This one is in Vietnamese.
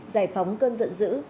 giải phóng cơn giận dữ